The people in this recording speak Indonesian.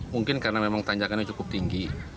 mungkin karena memang tanjakannya cukup tinggi